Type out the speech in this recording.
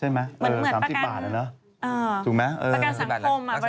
เหมือนประกันประกันสังคมบริษัททำให้ถูกไหมเออประกันสังคม